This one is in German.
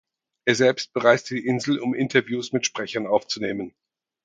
Er selbst bereiste die Insel, um Interviews mit Sprechern aufzunehmen.